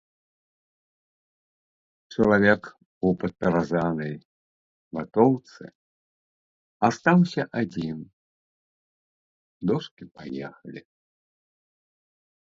Чалавек у падпяразанай ватоўцы астаўся адзін, дошкі паехалі.